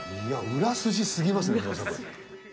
いやウラ筋すぎますね。